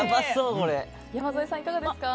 山添さん、いかがですか？